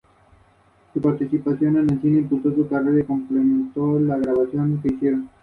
Cada piso posee un sector de sanitarios.